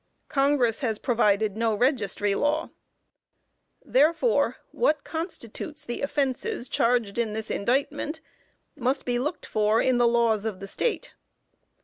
Congress has provided no registry law. Therefore, what constitutes the offenses charged in this indictment, must be looked for in the laws of the State.